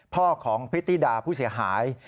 พ่อของพฤติดาผู้เสียหาย